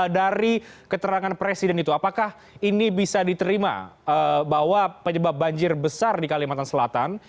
dari keterangan presiden itu apakah ini bisa diterima bahwa penyebab banjir besar di kalimantan selatan